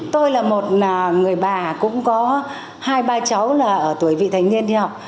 tôi là một người bà cũng có hai ba cháu là ở tuổi vị thành niên đi học